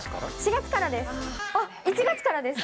４月からです。